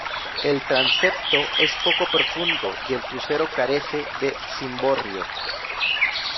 El transepto es poco profundo y el crucero carece de cimborrio.